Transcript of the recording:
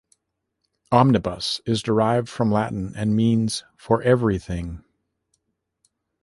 "Omnibus" is derived from Latin and means "for everything".